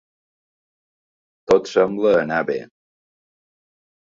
Tot sembla anar bé.